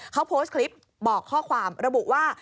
เขาโพสต์คลิปบอกข้อความระบุว่า